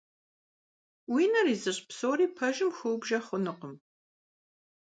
Уи нэр изыщӀ псори пэжым хыубжэ хъунукъым.